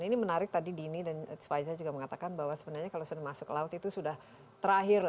ini menarik tadi dini dan faiza juga mengatakan bahwa sebenarnya kalau sudah masuk ke laut itu sudah terakhir